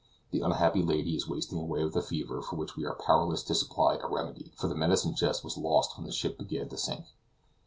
The unhappy lady is wasting away with a fever for which we are powerless to supply a remedy, for the medicine chest was lost when the ship began to sink.